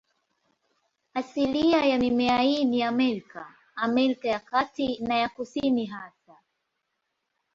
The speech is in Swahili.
Asilia ya mimea hii ni Amerika, Amerika ya Kati na ya Kusini hasa.